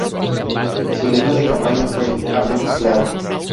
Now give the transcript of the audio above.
Su lema de campaña fue "Hablemos Claro!".